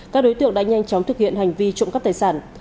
các đối tượng đã nhanh chóng thực hiện hành vi trộm cắp tài sản